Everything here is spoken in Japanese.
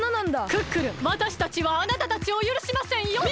クックルンわたしたちはあなたたちをゆるしませんよ！